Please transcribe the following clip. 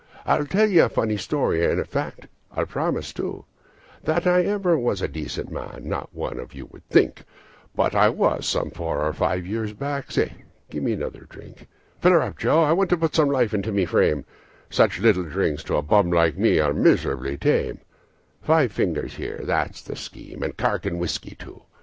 Say! Give me another whiskey, and I'll tell what I'll do That I was ever a decent man not one of you would think; But I was, some four or five years back. Say, give me another drink. "Fill her up, Joe, I want to put some life into my frame Such little drinks to a bum like me are miserably tame; Five fingers there, that's the scheme and corking whiskey, too.